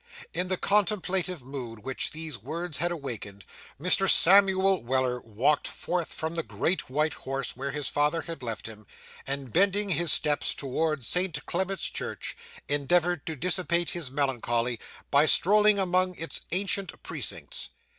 In the contemplative mood which these words had awakened, Mr. Samuel Weller walked forth from the Great White Horse when his father had left him; and bending his steps towards St. Clement's Church, endeavoured to dissipate his melancholy, by strolling among its ancient precincts.